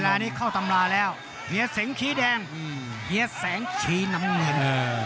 เวลานี้เข้าตำราแล้วเฮียเหงขีแดงเฮียแสงขีน้ำเงิน